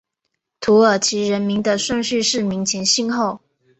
土耳其人名的顺序是名前姓后。